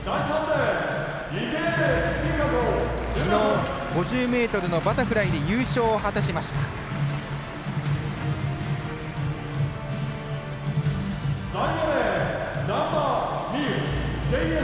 きのう、５０ｍのバタフライで優勝を果たしました、池江。